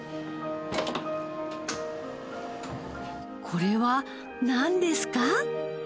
これはなんですか？